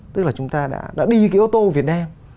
tức là chúng ta đã đi cái ô tô việt nam